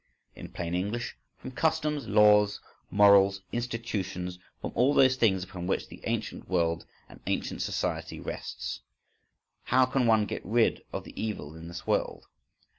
In plain English: from customs, laws, morals, institutions, from all those things upon which the ancient world and ancient society rests. "How can one get rid of the evil in this world?